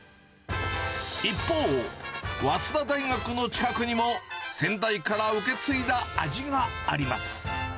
一方、早稲田大学の近くにも、先代から受け継いだ味があります。